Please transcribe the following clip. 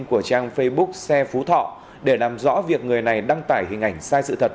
của trang facebook xe phú thọ để làm rõ việc người này đăng tải hình ảnh sai sự thật